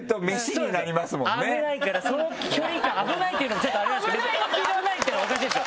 危ないからその距離感危ないっていうのもちょっとあれなんですけど危ないっていうのはおかしいです